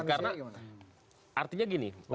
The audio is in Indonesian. karena artinya gini